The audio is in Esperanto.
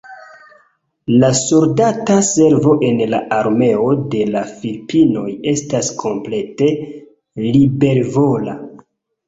La soldata servo en la Armeo de la Filipinoj estas komplete libervola.